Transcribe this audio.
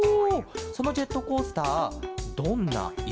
そのジェットコースターどんないろにするケロ？